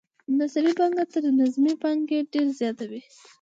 نثري پانګه تر نظمي پانګې ډیره زیاته وي.